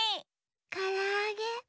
からあげ。